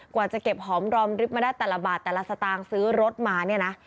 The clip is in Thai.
กว่าจะเก็บหอมรอมริบมาได้แต่ละบาทแต่ละสตางค์ซื้อรถมาเนี่ยนะ